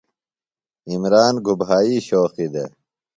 عمران گُبھائی شوقیُ دےۡ؟